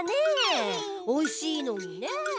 おいしいのにねえ。